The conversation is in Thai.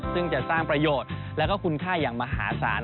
ซึ่งจะสร้างประโยชน์และคุณค่าอย่างมหาศาล